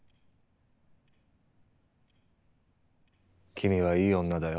君はいい女だよ。